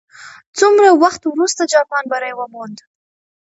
څومره وخت وروسته جاپان بری وموند؟